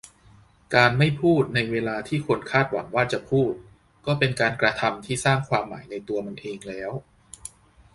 การ'ไม่พูด'ในเวลาที่คนคาดหวังว่าจะพูด ก็เป็นการกระทำที่สร้างความหมายในตัวมันเองแล้ว